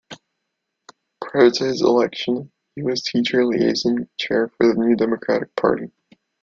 Prior to his election, he was teacher liaison chair for the New Democratic Party.